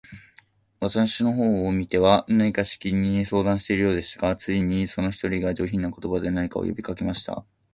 私の方を見ては、何かしきりに相談しているようでしたが、ついに、その一人が、上品な言葉で、何か呼びかけました。